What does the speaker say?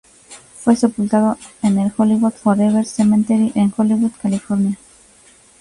Fue sepultado en el Hollywood Forever Cemetery en Hollywood, California.